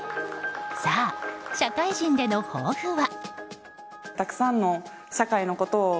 さあ、社会人での抱負は？